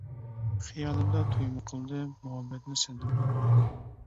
خىيالىمدا تويمۇ قىلدىم، مۇھەببەتنى سەندىن بىلدىم.